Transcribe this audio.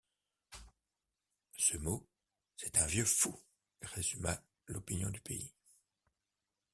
Ce mot: — C’est un vieux fou! résuma l’opinion du pays.